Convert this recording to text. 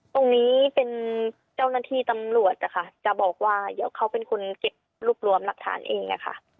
ตรงนี้เป็นเจ้าหน้าที่ตำรวจนะคะจะบอกว่าเดี๋ยวเขาเป็นคนเก็บรวบรวมหลักฐานเองค่ะ